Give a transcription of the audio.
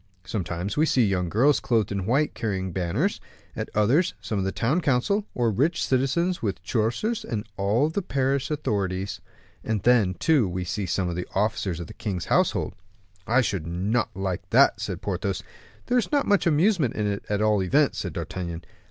Sometimes we see young girls clothed in white carrying banners; at others, some of the town council, or rich citizens, with choristers and all the parish authorities; and then, too, we see some of the officers of the king's household." "I should not like that," said Porthos. "There is not much amusement in it, at all events," said D'Artagnan.